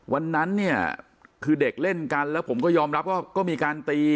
วันนั้นเนี่ยคือเด็กเล่นกันแล้วผมก็ยอมรับว่าก็มีการตี